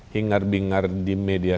hingar bingar di media